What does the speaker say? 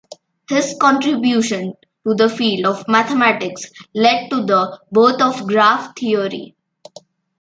His contributions to the field of mathematics led to the birth of graph theory.